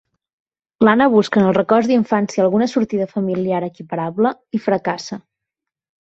L'Anna busca en els records d'infància alguna sortida familiar equiparable i fracassa.